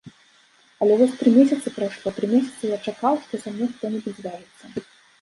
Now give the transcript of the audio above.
Але вось тры месяцы прайшло, тры месяцы я чакаў, што са мной хто-небудзь звяжацца.